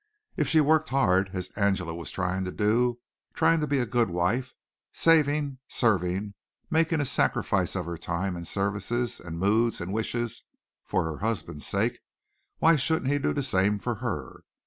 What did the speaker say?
If she worked hard, as Angela was trying to do, trying to be a good wife, saving, serving, making a sacrifice of her time and services and moods and wishes for her husband's sake, why shouldn't he do the same for her?